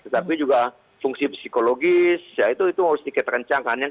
tapi juga fungsi psikologis itu harus dikatakan cangkang